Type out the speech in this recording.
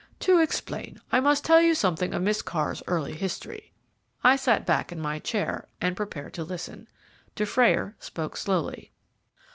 "To explain, I must tell you something of Miss Carr's early history." I sat back in my chair and prepared to listen. Dufrayer spoke slowly.